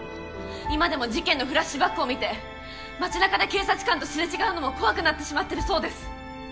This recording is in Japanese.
今でも事件のフラッシュバックを見て街中で警察官とすれ違うのも怖くなってしまってるそうです。